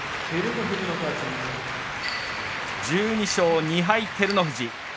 １２勝２敗照ノ富士。